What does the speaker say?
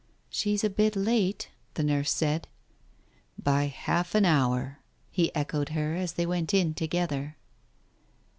"She's a bit late," the nurse said. "By half an hour," he echoed her, as they went in together.